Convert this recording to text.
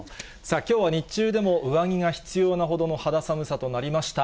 きょうは日中でも上着が必要なほどの肌寒さとなりました。